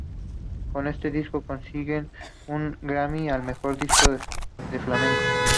Con este disco consiguen un Grammy al mejor disco flamenco.